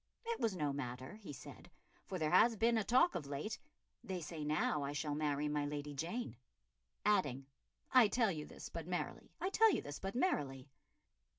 It was no matter, he said, "for there has been a talk of late ... they say now I shall marry my Lady Jane," adding, "I tell you this but merrily, I tell you this but merrily."